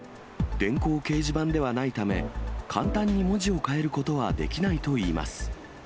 電光掲示板ではないため、簡単に文字を変えることはできないといいます。